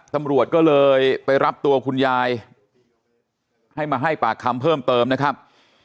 ตำรวจก็เลยไปรับตัวคุณยายให้มาให้ปากคำเพิ่มเติมนะครับ